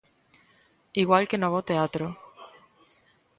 Igual que no bo teatro.